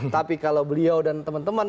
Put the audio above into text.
tapi kalau beliau dan teman teman